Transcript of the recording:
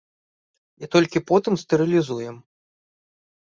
І толькі потым стэрылізуем.